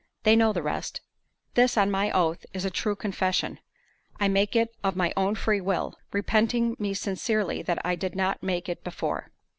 They know the rest. This, on my oath, is a true confession. I make it of my own free will, repenting me sincerely that I did not make it before."